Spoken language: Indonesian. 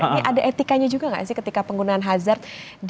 ini ada etikanya juga nggak sih ketika penggunaan hazard